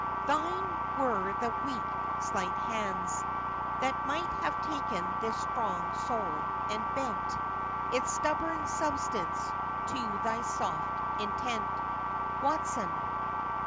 "Thine were the weak, slight hands That might have taken this strong soul, and bent Its stubborn substance to thy soft intent." WATSON.